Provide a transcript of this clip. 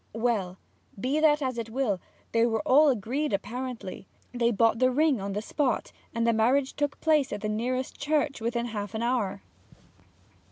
'Well, be that as it will, they were all agreed apparently. They bought the ring on the spot, and the marriage took place at the nearest church within half an hour.'